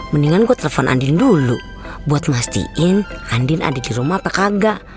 mendingan gue telepon andin dulu buat mastiin andin ada di rumah apakah enggak